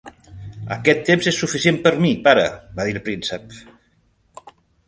"Aquest temps és suficient per mi, pare", va dir el príncep.